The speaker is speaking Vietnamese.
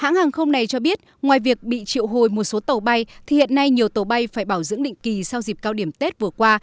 hãng hàng không này cho biết ngoài việc bị triệu hồi một số tàu bay thì hiện nay nhiều tàu bay phải bảo dưỡng định kỳ sau dịp cao điểm tết vừa qua